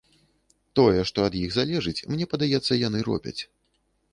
Тое, што ад іх залежыць, мне падаецца, яны робяць.